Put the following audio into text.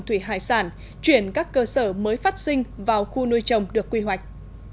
thủy hải sản chuyển các cơ sở mới phát sinh vào khu nuôi trồng được quy hoạch